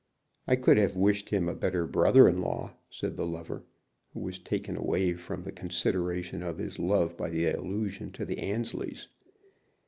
"I could have wished him a better brother in law," said the lover, who was taken away from the consideration of his love by the allusion to the Annesleys.